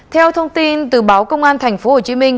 theo thông tin từ báo công an thành phố hồ chí minh